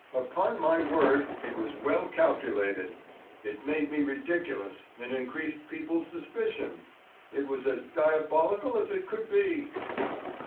Upon my word it was well calculated. It made me ridiculous, and increased people's suspicion. It was as diabolical as it could be!"